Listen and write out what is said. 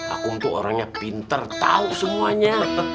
akum tuh orangnya pinter tau semuanya